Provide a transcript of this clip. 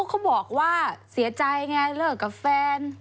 เขาบอกว่าเสียใจไงเลิกกับแฟน